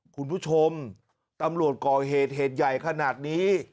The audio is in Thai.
คุณผู้ชมตำรวจก่อเหดเหดใหญ่ขณะนี้